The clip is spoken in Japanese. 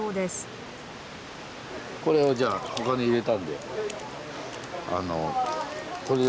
これをじゃあお金入れたんでこれで。